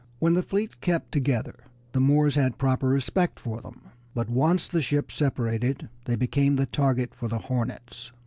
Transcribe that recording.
When the fleet kept together the Moors had proper respect for them, but once the ships separated they became the target for the hornets.